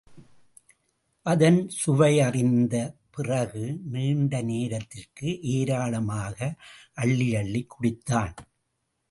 அதன் சுவையையறிந்த பிறகு நீண்ட நேரத்திற்கு ஏராளமாக அள்ளியள்ளிக் குடித்தான்.